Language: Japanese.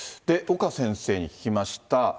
岡先生に聞きました。